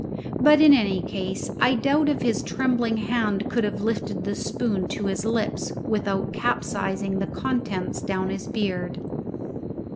But in any case I doubt if his trembling hand could have lifted the spoon to his lips without capsizing the contents down his beard.